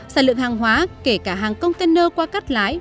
sản lượng hàng hóa kể cả hàng container qua cắt lái